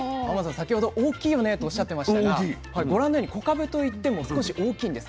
先ほど大きいよねっておっしゃってましたがご覧のようにこかぶといっても少し大きいんです。